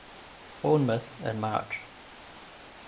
Bournemouth in March.